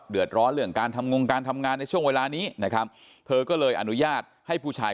เดือดร้อนเรื่องการทำงงการทำงานในช่วงเวลานี้นะครับเธอก็เลยอนุญาตให้ผู้ชาย